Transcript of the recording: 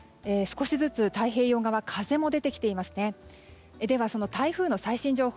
少しずつ太平洋側風も出てきていますね。